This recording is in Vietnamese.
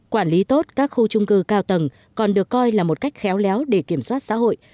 quản lý tốt các khu trung cư cao tầng còn được coi là một cách khéo léo để kiểm soát xã hội